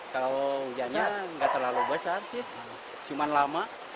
kalau hujannya nggak terlalu besar sih cuma lama